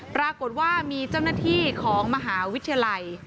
ปรากฏว่ามีเจ้าหน้าที่ของมหาวิทยาลัย